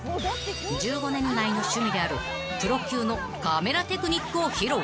［１５年来の趣味であるプロ級のカメラテクニックを披露］